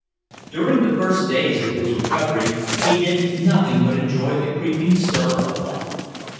During the first days of his recovery he did nothing but enjoy the creeping stir of life.